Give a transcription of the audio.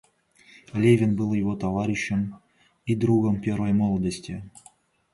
Левин был его товарищем и другом первой молодости.